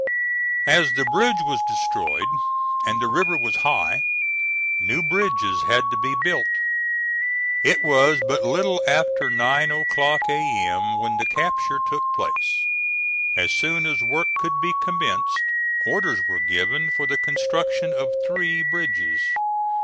As the bridge was destroyed and the river was high, new bridges had to be built. It was but little after nine o'clock A.M. when the capture took place. As soon as work could be commenced, orders were given for the construction of three bridges.